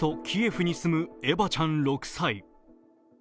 キエフに住むエバちゃん、６歳。